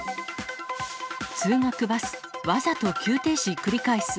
通学バス、わざと急停止繰り返す。